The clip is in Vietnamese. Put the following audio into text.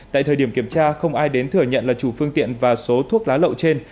tại thời điểm kiểm tra không ai đến thừa nhận là chủ phương tiện và số thuốc lá lậu trên